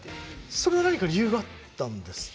それは何か理由があったんですか？